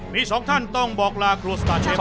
มีสองท่านต้องบอกลากลัวสตาร์เชฟ